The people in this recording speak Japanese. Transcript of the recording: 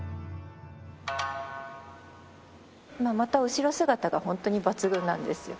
また後ろ姿がホントに抜群なんですよ。